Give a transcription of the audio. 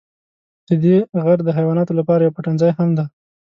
ددې غر د حیواناتو لپاره یو پټنځای هم دی.